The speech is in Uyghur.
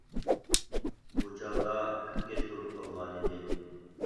بۇ چاغدا كۈن كەچ بولۇپ قالغانىدى.